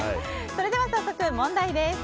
それでは早速、問題です。